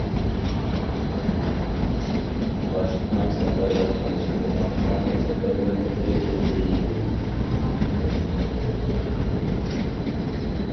باشلىقنىڭ سەپەرۋەر قىلىشى بىلەن ھەممە سەپەرۋەرلىككە كەلتۈرۈلىدۇ.